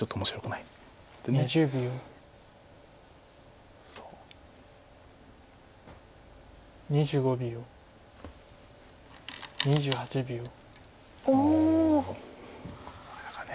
なかなか。